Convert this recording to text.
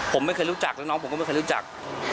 ผมไม่เคยรู้จักแล้วน้องผมก็ไม่เคยรู้จัก